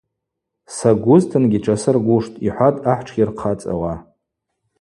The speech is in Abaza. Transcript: Сагузтынгьи тшасыргуштӏ, – йхӏватӏ ахӏ тшйырхъацӏауа.